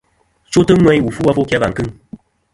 Chwotɨ ŋweyn wù fu afo ki a và kɨŋ.